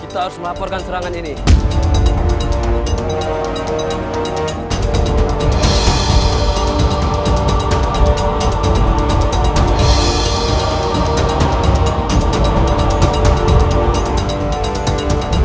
kita harus melaporkan serangan ini